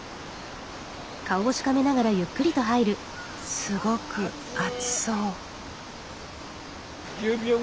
すごく熱そう。